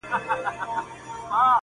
چوپتيا کله کله له هر غږ څخه درنه وي ډېر-